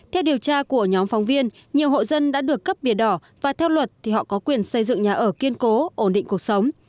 theo điều tra của nhóm phóng viên nhiều hộ dân đã được cấp bia đỏ và theo luật thì họ có quyền xây dựng nhà ở kiên cố ổn định cuộc sống